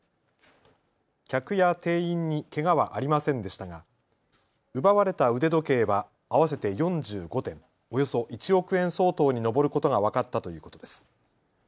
客や店員にけがはありませんでしたが奪われた腕時計は合わせて４５点、およそ１億円相当に上ることが分かったということです。